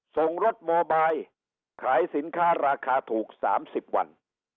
ส่งรถโมบายขายสินค้าราคาถูก๓๐วัน